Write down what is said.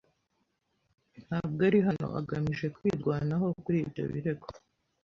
Ntabwo ari hano agamije kwirwanaho kuri ibyo birego.